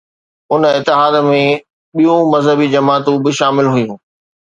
ان اتحاد ۾ ٻيون مذهبي جماعتون به شامل هيون.